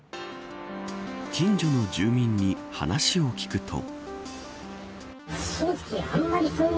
近所の住民に話を聞くと。